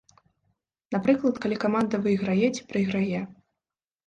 Напрыклад, калі каманда выйграе ці прайграе.